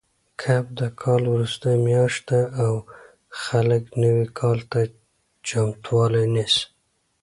کب د کال وروستۍ میاشت ده او خلک نوي کال ته چمتووالی نیسي.